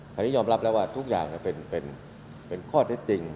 คราวนี้ยอมรับแล้วว่าทุกอย่างเป็นข้อเท็จจริง